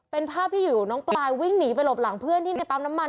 เป็นภาพที่อยู่น้องปลายวิ่งหนีไปหลบหลังเพื่อนที่ในปั๊มน้ำมัน